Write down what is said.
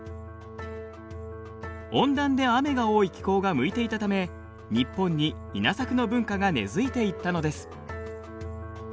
温暖で雨が多い気候が向いていたため日本に稲作の文化が根づいていったのです。